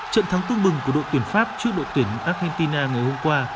trận thắng tư bừng của đội tuyển pháp trước đội tuyển argentina ngày hôm qua